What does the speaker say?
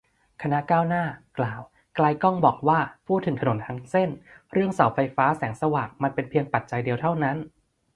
คณะก้าวหน้า กล่าว ไกลก้อง บอกว่า พูดถึงถนนทั้งเส้น เรื่องเสาไฟฟ้าแสงสว่างมันเพียงปัจจัยเดียวเท่านั้น